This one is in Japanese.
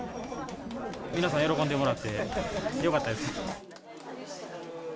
皆さん、喜んでもらってよかったです。